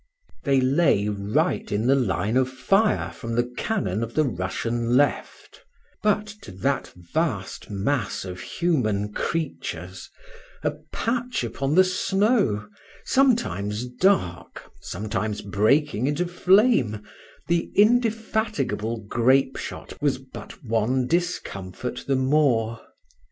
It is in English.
They lay right in the line of fire from the cannon of the Russian left; but to that vast mass of human creatures, a patch upon the snow, sometimes dark, sometimes breaking into flame, the indefatigable grapeshot was but one discomfort the more.